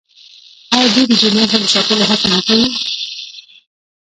آیا دوی د دې نسل د ساتلو هڅه نه کوي؟